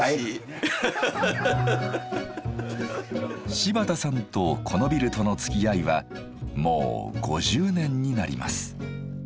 柴田さんとこのビルとのつきあいはもう５０年になります。